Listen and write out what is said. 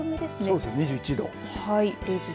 そうですね、２１度。